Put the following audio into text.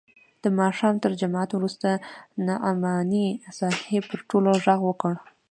د ماښام تر جماعت وروسته نعماني صاحب پر ټولو ږغ وکړ.